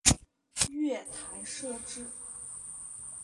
月台设置